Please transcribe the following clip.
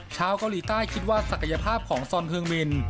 ชาวเกาหลีใต้คิดว่าศักยภาพของซอนเฮืองมิน